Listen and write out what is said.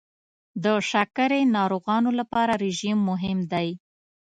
د شکرې ناروغانو لپاره رژیم مهم دی.